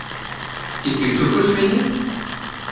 І ты супроць мяне?